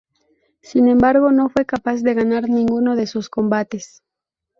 Sin embargo no fue capaz de ganar ninguno de sus combates.